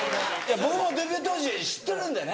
僕もデビュー当時知ってるんでね。